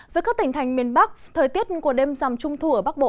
với các tỉnh thành miền bắc thời tiết của đêm giảm trung thu ở bắc bộ